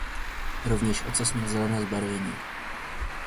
Rovněž ocas měl zelené zbarvení.